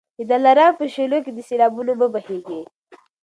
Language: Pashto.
د دلارام په شېلو کي د سېلابونو اوبه بهیږي.